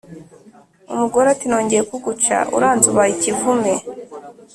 Umugore Ati: "Nongeye kuguca uranze ubaye ikivume"